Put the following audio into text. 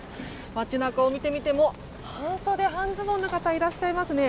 街中を見てみても半袖、半ズボンの方がいらっしゃいますね。